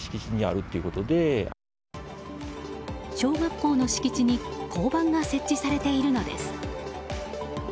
小学校の敷地に交番が設置されているのです。